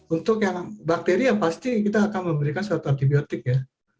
untuk yang bakteri ya pasti kita akan memberikan suatu antibiotik ya